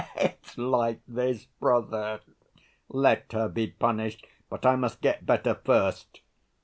It's like this, brother, let her be punished, but I must get better first.